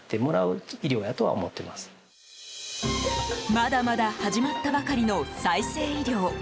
まだまだ始まったばかりの再生医療。